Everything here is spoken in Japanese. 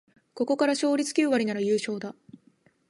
ここから勝率九割なら優勝だ